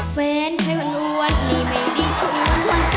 เฟนไทยวันวันนี้ไม่ได้ช่วยวันก็หน่อย